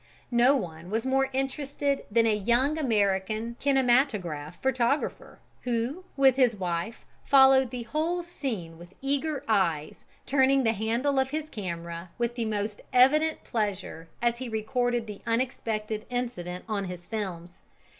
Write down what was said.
No one was more interested than a young American kinematograph photographer, who, with his wife, followed the whole scene with eager eyes, turning the handle of his camera with the most evident pleasure as he recorded the unexpected incident on his films.